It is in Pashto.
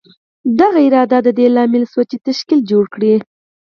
د هغه هوډ د دې لامل شو چې تشکیل جوړ کړي